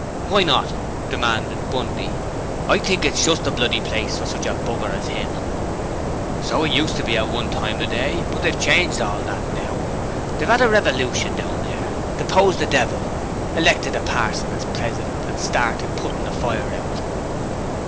'Why not?' demanded Bundy. 'I should think it's just the bloody place for sich b r's as 'im.' 'So it used to be at one time o' day, but they've changed all that now. They've 'ad a revolution down there: deposed the Devil, elected a parson as President, and started puttin' the fire out.'